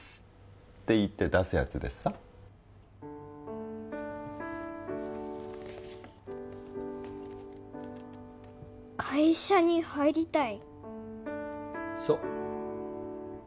っていって出すやつでさ会社に入りたい？